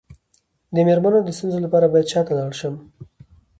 د میرمنو د ستونزو لپاره باید چا ته لاړ شم؟